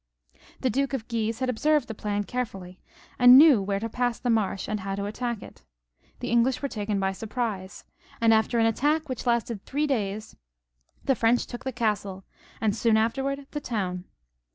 The Duke of Guise had observed the place carefully, and knew where to pass the marsh, and how to attack it. The English were taken by surprise, and after an attack which lasted three days, the French took the castle, and soon afterwards the town.